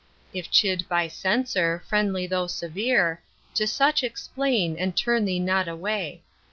If chid by censor, friendly though severe, To such explain and turn thee not away.